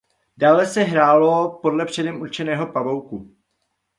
Dále se hrálo podle předem určeného pavouku.